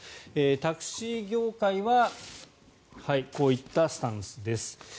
タクシー業界はこういったスタンスです。